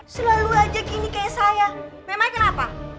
selalu aja gini kayak saya memangnya kenapa